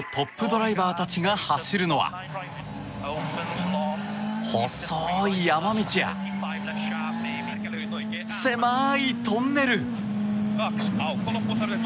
ドライバーたちが走るのは細い山道や狭いトンネル。